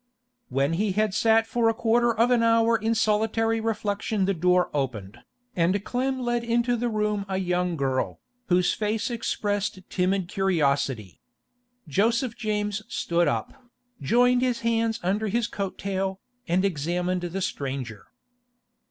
When he had sat for a quarter of an hour in solitary reflection the door opened, and Clem led into the room a young girl, whose face expressed timid curiosity. Joseph James stood up, joined his hands under his coat tail, and examined the stranger.